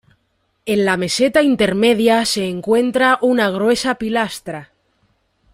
En la meseta intermedia se encuentra una gruesa pilastra.